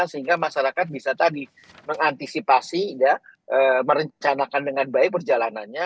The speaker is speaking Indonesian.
sehingga masyarakat bisa tadi mengantisipasi merencanakan dengan baik perjalanannya